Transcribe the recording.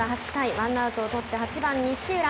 ワンアウトを取って８番西浦。